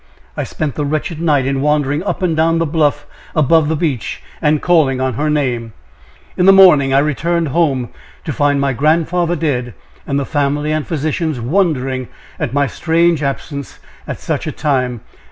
I spent the wretched night in wandering up and down the bluff above the beach, and calling on her name. In the morning I returned home to find my grandfather dead, and the family and physicians wondering at my strange absence at such a time.